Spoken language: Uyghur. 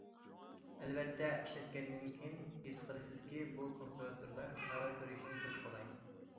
ئەلۋەتتە، ئىشلەتكەندىن كېيىن ھېس قىلىسىزكى، بۇ كومپيۇتېردا خەۋەر كۆرۈشتىن كۆپ قولاي.